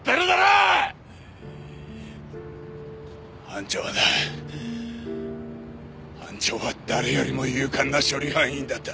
班長はな班長は誰よりも勇敢な処理班員だった。